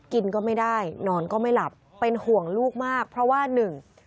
กินก็ไม่ได้นอนก็ไม่หลับเป็นห่วงลูกมากเพราะว่าหนึ่ง